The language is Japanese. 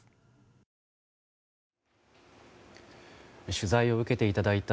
取材を受けていただいた